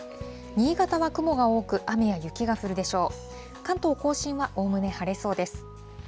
新潟は雲が多く、雨や雪が降るでしょう。